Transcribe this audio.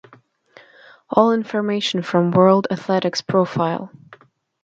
All information from World Athletics profile.